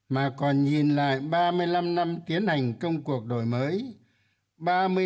mà còn nhìn lại ba mươi năm năm tiến hành công cuộc đổi mới